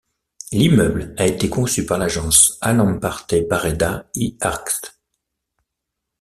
L'immeuble a été conçu par l'agence Alemparte Barreda y Arqts.